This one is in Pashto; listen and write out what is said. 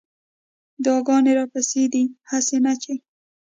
دعاګانې راپسې دي هسې نه چې